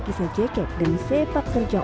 kisah jeket dan sepak kerja